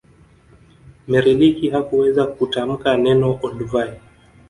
Mary leakey hakuweza kutamka neno olduvai